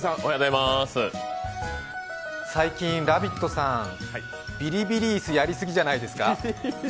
最近「ラヴィット！」さんビリビリ椅子やりすぎじゃないですか。